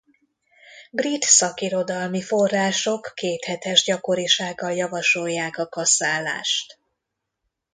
Brit szakirodalmi források kéthetes gyakorisággal javasolják a kaszálást.